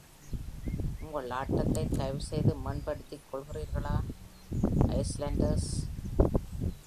உங்கள் ஆட்டத்தை தயவு செய்து மேம்படுத்திக் கொள்கிறீர்களா, Islanders?